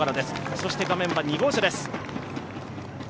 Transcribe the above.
そして画面は２号車です。